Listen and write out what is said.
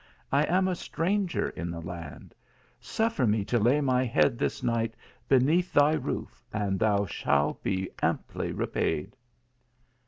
I am a stranger in the land. Suffer me to lay my head this night beneath thy roof, and thou shall be amply repaid."